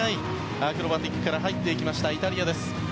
アクロバティックから入っていきましたイタリアです。